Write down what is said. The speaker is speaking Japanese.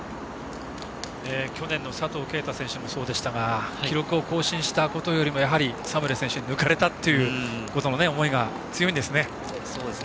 去年の佐藤圭汰選手もそうでしたが記録を更新したことよりもやはり、サムエル選手に抜かれたことへの思いが強いんですね。